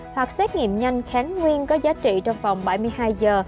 hoặc xét nghiệm nhanh kháng nguyên có giá trị trong vòng bảy mươi hai giờ